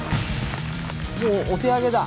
もうお手上げだ！